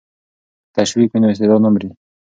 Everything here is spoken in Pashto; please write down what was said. که تشویق وي نو استعداد نه مري.